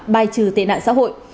bai trừ tệ nạn xã hội